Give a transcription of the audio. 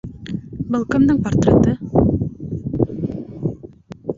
Был кемдең портреты?